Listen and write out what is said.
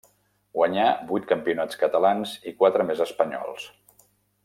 Guanyà vuit campionats catalans i quatre més espanyols.